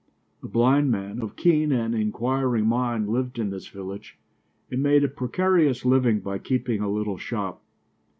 A blind man, of keen and inquiring mind, lived in this village and made a precarious living by keeping a little shop.